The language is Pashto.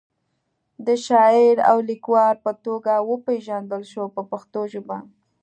د شاعر او لیکوال په توګه وپیژندل شو په پښتو ژبه.